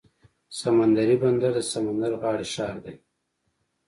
سمندري بندر د سمندر غاړې ښار دی.